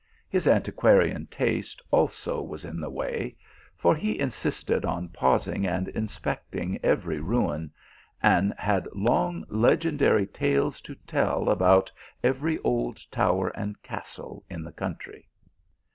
His anti quarian taste also was in the way ; for he insisted on pausing and inspecting every ruin, and had long legendary tales to tell about every old tower and castle in the country.